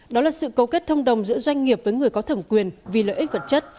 đó là sự cấu kết thông đồng giữa doanh nghiệp với người có thẩm quyền vì lợi ích vật chất